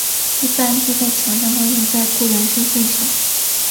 一般贴在墙上或印在雇员身份上。